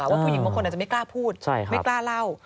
ว่าผู้หญิงบางคนอาจจะไม่กล้าพูดไม่กล้าเล่า